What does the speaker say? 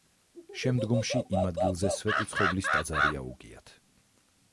შემდგომში იმ ადგილზე სვეტიცხოვლის ტაძარი აუგიათ.